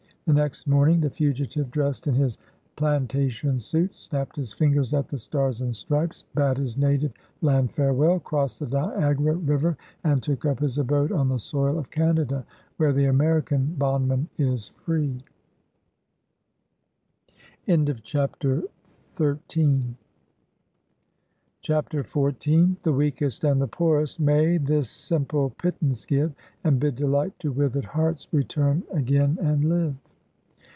The next morning, the fugitive dressed in his planta tion suit, snapped his fingers at the stars and stripes, bade his native land farewell, crossed the Niagara river, and took up his abode on the soil of Canada, where the American bondman is free, 52 BIOGHtAPHY OF CHAPTER XIV. " The weakest and the poorest may This simple pittance give, And bid delight to withered hearts Return again and live.